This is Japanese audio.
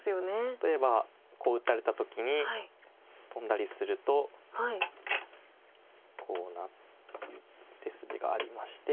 例えばこう打たれた時にトンだりするとこうなるという手筋がありまして。